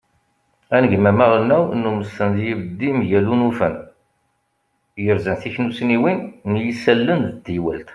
anegmam aɣelnaw n umesten d yibeddi mgal unufen yerzan tiknussniwin n yisallen d teywalt